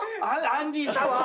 アンディ・サワー。